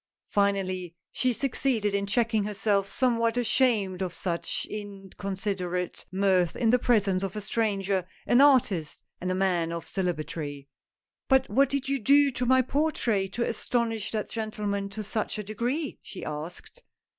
Finally she succeeded in checking herself, somewhat ashamed of such incon siderate mirth in the presence of a stranger, an artist and a man of celebrity. "But what did you do to my portrait to astonish that gentleman to such a degree ?" she asked.